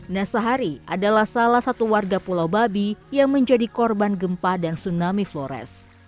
nasahari adalah salah satu warga pulau babi yang menjadi korban gempa dan tsunami flores